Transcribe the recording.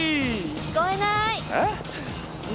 聞こえない。